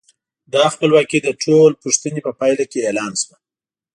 دا خپلواکي د ټول پوښتنې په پایله کې اعلان شوه.